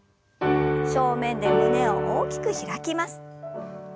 正面で胸を大きく開きます。